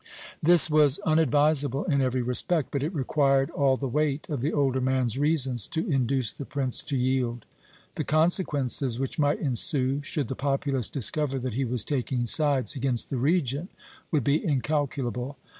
This was unadvisable in every respect, but it required all the weight of the older man's reasons to induce the prince to yield. The consequences which might ensue, should the populace discover that he was taking sides against the Regent, would be incalculable.